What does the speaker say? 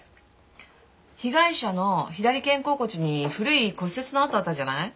被害者の左肩甲骨に古い骨折の痕あったじゃない？